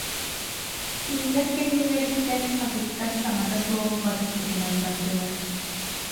Кинилэр кэннилэриттэн атыттар саҥата суох батыспытынан бардылар